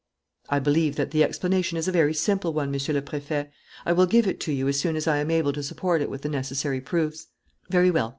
"I believe that the explanation is a very simple one, Monsieur le Préfet. I will give it to you as soon as I am able to support it with the necessary proofs." "Very well.